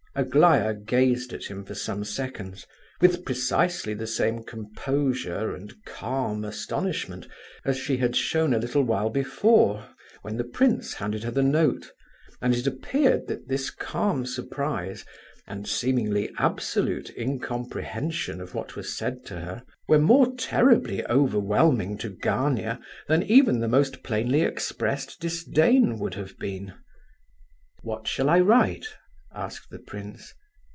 Aglaya gazed at him for some seconds with precisely the same composure and calm astonishment as she had shown a little while before, when the prince handed her the note, and it appeared that this calm surprise and seemingly absolute incomprehension of what was said to her, were more terribly overwhelming to Gania than even the most plainly expressed disdain would have been. "What shall I write?" asked the prince.